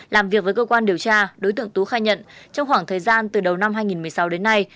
làm việc với cơ quan điều tra đối tượng tú khai nhận trong khoảng thời gian từ đầu năm hai nghìn một mươi sáu đến nay